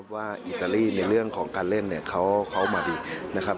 อิตาลีในเรื่องของการเล่นเนี่ยเขามาดีนะครับ